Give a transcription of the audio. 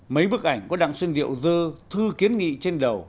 mấy bức ảnh của đặng xuân điệu dơ thư kiến nghị trên đầu